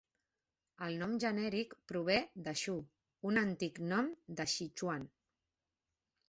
El nom genèric prové de "Shu", un antic nom de Sichuan.